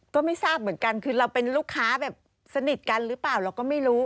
ก็ไม่ทราบเหมือนกันคือเราเป็นลูกค้าแบบสนิทกันหรือเปล่าเราก็ไม่รู้